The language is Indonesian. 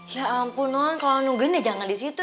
ya ampun non kalo nungguin deh jangan disitu